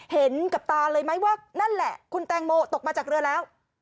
เห็นกับตาเลยไหมว่านั่นแหละคุณแตงโมตกมาจากเรือแล้ว